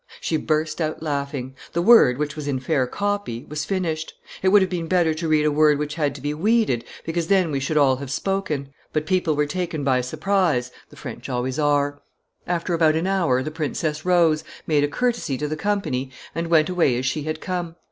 _ She burst out laughing. The word, which was in fair copy, was finished. It would have been better to read a word which had to be weeded, because then we should all have spoken; but people were taken by surprise the French always are. ... After about an hour, the princess rose, made a courtesy to the company, and went away as she had come.